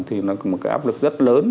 thì nó có một cái áp lực rất lớn